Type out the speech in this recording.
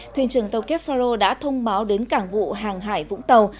thuyền trưởng tàu kefaro đã thông báo đến cảng vụ hàng hải vũng tàu